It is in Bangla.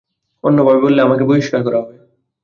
অন্যভাবে বললে, আমাকে বহিষ্কার করা হবে।